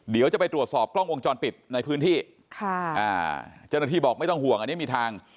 เดี๋ยวจะไปตรวจสอบกล้องวงจรปิดในพื้นที่ค่ะอ่าเจ้าหน้าที่บอกไม่ต้องห่วงอันนี้มีทาง